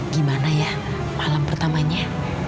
gimana ya malam pertamanya